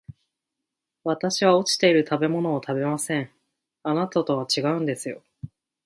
私は落ちている食べ物を食べません、あなたとは違うんですよ